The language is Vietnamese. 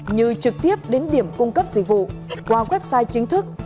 như trực tiếp đến điểm cung cấp dịch vụ qua website chính thức